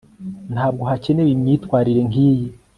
Ntabwo hakenewe imyitwarire nkiyi